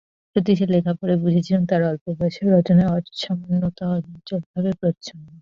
সতীশের লেখা পড়ে বুঝেছিলুম তাঁর অল্প বয়সের রচনায় অসামান্যতা অনুজ্জ্বলভাবে প্রচ্ছন্ন।